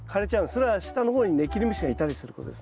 それは下の方にネキリムシがいたりすることですね。